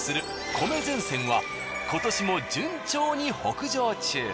米前線は今年も順調に北上中。